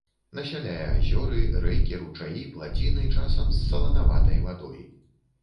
Насяляе азёры, рэкі, ручаі, плаціны часам з саланаватай вадой.